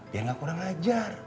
biar gak kurang ajar